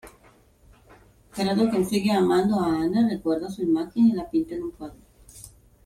Gerardo, quien sigue amando a Ana, recuerda su imagen y la pinta un cuadro.